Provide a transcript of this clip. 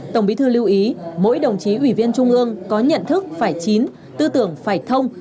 tổng bí thư lưu ý mỗi đồng chí ủy viên trung ương có nhận thức phải chín tư tưởng phải thông